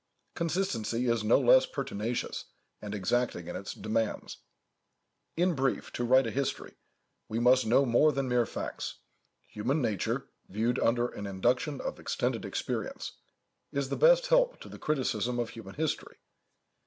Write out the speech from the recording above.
Consistency is no less pertinacious and exacting in its demands. In brief, to write a history, we must know more than mere facts. Human nature, viewed under an induction of extended experience, is the best help to the criticism of human history.